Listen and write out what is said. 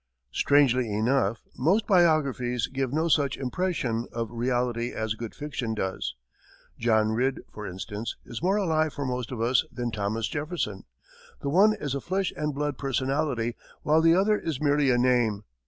Strangely enough, most biographies give no such impression of reality as good fiction does. John Ridd, for instance, is more alive for most of us than Thomas Jefferson the one is a flesh and blood personality, while the other is merely a name.